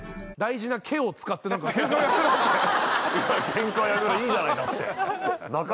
「ケンカはやめろ」いいじゃないだって。